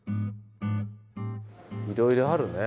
いろいろあるね。